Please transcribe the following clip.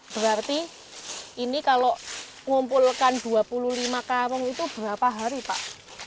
berarti ini kalau ngumpulkan dua puluh lima karung itu berapa hari pak